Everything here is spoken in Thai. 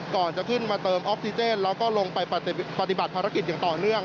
ก่อนจะขึ้นมาเติมออกซิเจนแล้วก็ลงไปปฏิบัติภารกิจอย่างต่อเนื่อง